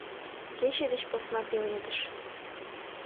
Кече деч посна пеледыш